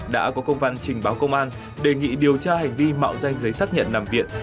đã có công văn trình báo công an đề nghị điều tra hành vi mạo danh giấy xác nhận nằm viện